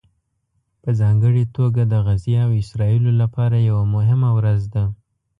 په ځانګړې توګه د غزې او اسرائیلو لپاره یوه مهمه ورځ ده